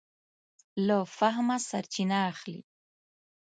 له فهمه سرچینه اخلي.